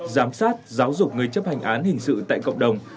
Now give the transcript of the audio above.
giám sát giáo dục người chấp hành án hình sự tại cộng đồng